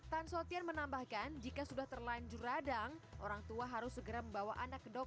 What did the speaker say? tan soetian menambahkan jika sudah terlanjur radang orangtua harus segera membawa anak ke dokter